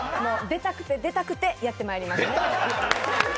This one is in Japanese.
出たくて出たくて、やってまいりました。